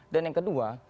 dan yang kedua